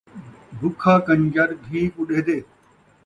بکھا کنڄر دھی کوں ݙیہدے